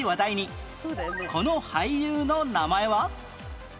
この俳優の名前は？